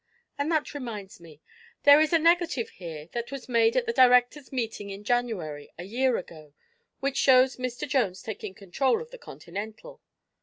And that reminds me. There is a negative here that was made at the directors' meeting in January, a year ago, which shows Mr. Jones taking control of the Continental."